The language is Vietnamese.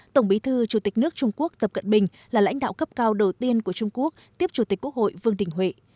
tổng bí thư chủ tịch nước trung quốc tập cận bình là lãnh đạo cấp cao đầu tiên của trung quốc tiếp chủ tịch quốc hội vương đình huệ